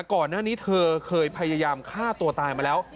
ก่อนหน้านี้เธอเคยพยายามฆ่าตัวตายมาแล้ว